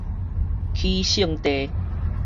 起性地